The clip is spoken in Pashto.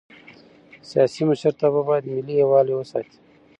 سیاسي مشرتابه باید ملي یووالی وساتي